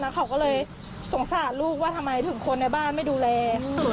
เขาก็เลยพาไปเลย